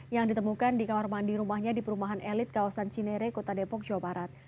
yang ditemukan di kamar mandi rumahnya di perumahan elit kawasan cinere kota depok jawa barat